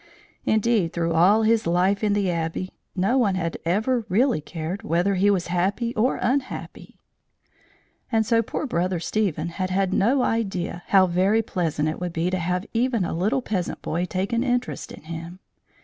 Indeed, through all his life in the Abbey, no one had ever really cared whether he was happy or unhappy; and so poor Brother Stephen had had no idea how very pleasant it would be to have even a little peasant boy take an interest in him.